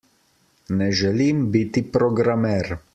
Ne želim biti programer.